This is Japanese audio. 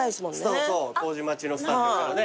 そうそう麹町のスタジオからね。